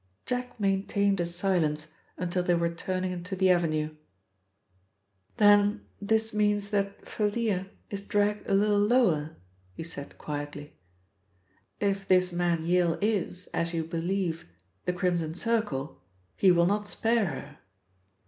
Jack maintained a silence until they were turning into the avenue. "Then this means that Thalia is dragged a little lower?" he said quietly. "If this man Yale is, as you believe, the Crimson Circle, he will not spare her."